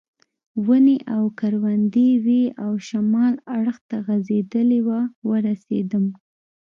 ونې او کروندې وې او شمالي اړخ ته غځېدلې وه ورسېدم.